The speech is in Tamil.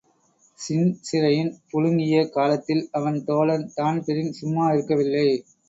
ஸின் சிறையின் புழுங்கிய காலத்தில் அவன் தோழன் தான்பிரீன் சும்மா இருக்கவில்லை.